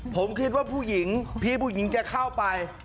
ผมคิดว่าผู้หญิงพี่ผู้หญิงจะเข้าไป